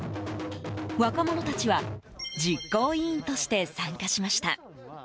若者たちは実行委員として参加しました。